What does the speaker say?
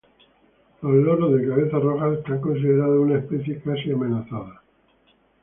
Los loros de cabeza roja son considerados una especie casi amenazada.